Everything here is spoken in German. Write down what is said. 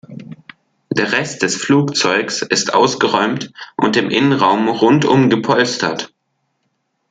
Der Rest des Flugzeugs ist ausgeräumt und im Innenraum rundum gepolstert.